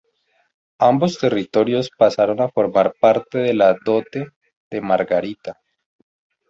Ambos territorios pasaron a formar parte de la dote de Margarita.